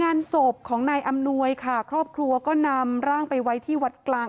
งานศพของนายอำนวยค่ะครอบครัวก็นำร่างไปไว้ที่วัดกลาง